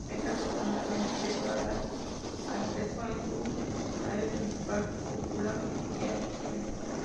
Está profusamente decorada al fresco en su nave principal, cúpula y ábside.